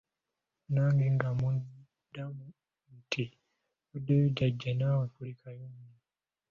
nange nga mmuddamu nti nvuddeyo Jjajja naawe kulikayo nnyo.